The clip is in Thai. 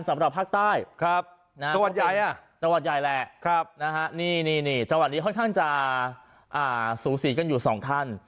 สำหรับภาคใต้จังหวัดใหญ่แหละจังหวัดนี้ค่อนข้างจะสูสีกันอยู่๒ท่าน